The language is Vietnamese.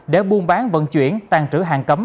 để buôn bán vận chuyển tàn trữ hàng cấm